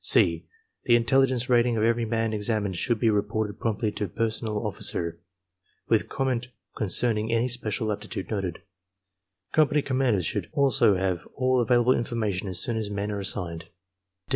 (c) The intelligence rating of every man examined should be reported promptly to Personnel Officer, with comment con cerning any special aptitude noted. Company commanders should also have all available information as soon as men are assigned.